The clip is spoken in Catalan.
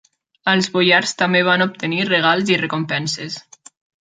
Els boiars també van obtenir regals i recompenses.